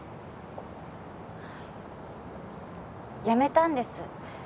やめたんです。